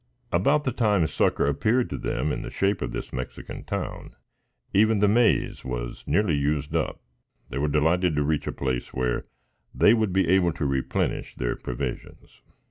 About the time succor appeared to them in the shape of this Mexican town, even the maize was nearly used up. They were delighted to reach a place where they would be able to replenish their provisions.